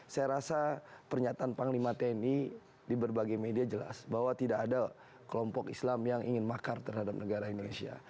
saya rasa pernyataan panglima tni di berbagai media jelas bahwa tidak ada kelompok islam yang ingin makar terhadap negara indonesia